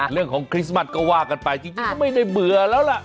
เรื่องของคริสต์มัสก็ว่ากันไปจริงก็ไม่ได้เบื่อแล้วล่ะ